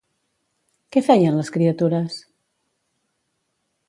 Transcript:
Què feien les criatures?